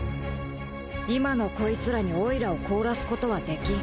今のコイツらにオイラを凍らすことはできん。